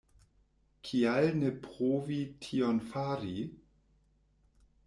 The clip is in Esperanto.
Kial ne provi tion fari?